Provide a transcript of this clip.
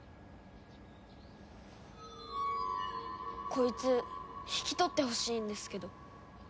こいつ引き取ってほしいんですけど。